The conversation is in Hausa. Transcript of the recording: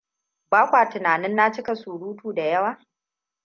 Ba kwa tunanin na cika surutu da yawa?